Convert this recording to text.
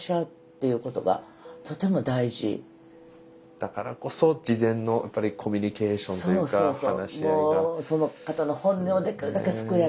だからこそ事前のやっぱりコミュニケーションというか話し合いが。